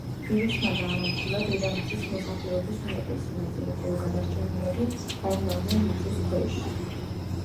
ვირუსმა გაანადგურა დედამიწის მოსახლეობის უმეტესი ნაწილი, ხოლო გადარჩენილები დაიმალნენ მიწის ქვეშ.